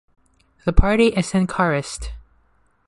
The party is Sankarist.